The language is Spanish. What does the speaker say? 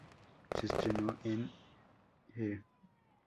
Se estrenó en E!